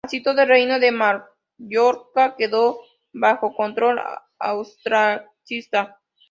Así todo el Reino de Mallorca quedó bajo control austracista.